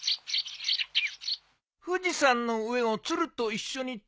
富士山の上を鶴と一緒に飛んだ？